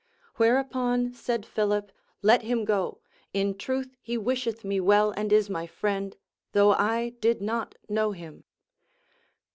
Whereupon said Philip : Let him go, in truth he wisheth me well and is my friend, though I did not know him.